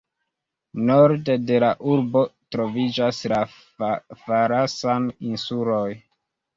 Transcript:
Norde de la urbo troviĝas la Farasan-insuloj.